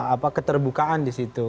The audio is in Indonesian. apa keterbukaan di situ